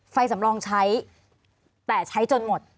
สำรองใช้แต่ใช้จนหมด